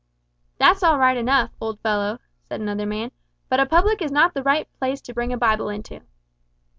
"That's all right enough, old fellow," said another man, "but a public is not the right place to bring a Bible into."